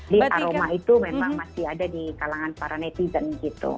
jadi aroma itu memang masih ada di kalangan para netizen gitu